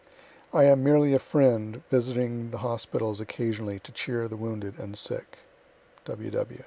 I am merely a friend visiting the hospitals occasionally to cheer the wounded and sick.